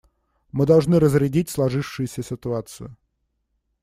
Мы должны разрядить сложившуюся ситуацию.